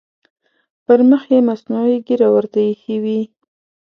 پر مخ یې مصنوعي ږیره ورته اېښې وي.